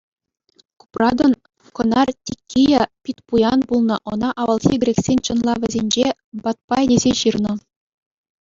Купратӑн кӑнар-тиккийӗ Питпуян пулнӑ, ӑна авалхи грексен чӑнлавӗсенче Батбай тесе ҫырнӑ.